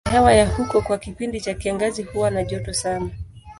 Hali ya hewa ya huko kwa kipindi cha kiangazi huwa na joto sana.